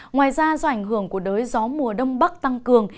ngoài ra do ảnh hưởng của đới gió mùa đông bắc tăng cường